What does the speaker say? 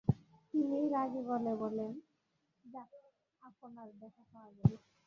তিনি রাগী গলায় বললেন, যাক, আপনার দেখা পাওয়া গেল।